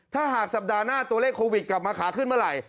ถ้าหากสัปดาห์หน้าตัวเลขโควิดกลับมาขาขึ้นเมื่อไหร่